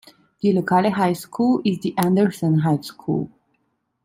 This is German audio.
Die lokale High School ist die Anderson High School.